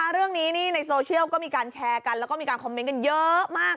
เรื่องนี้ในโซเชียลก็มีการแชร์กันแล้วก็มีการคอมเมนต์กันเยอะมาก